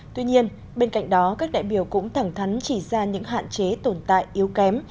tuy nhiên bên cạnh đó các đại biểu cũng thẳng thắn chỉ ra những hạn chế tồn tại yếu kém